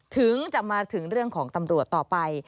ถึงจะมาถึงเรื่องของตำรวจต่อไป